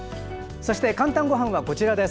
そして「かんたんごはん」はこちらです。